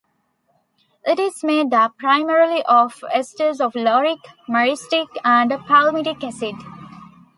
It is made up primarily of esters of lauric, myristic, and palmitic acid.